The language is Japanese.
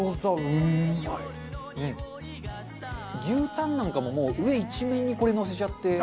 牛タンなんかももう上一面にこれのせちゃって。